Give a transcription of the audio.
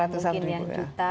ratusan ribu ya